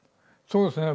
そうですね。